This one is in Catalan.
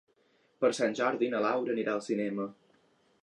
Per Sant Jordi na Laura anirà al cinema.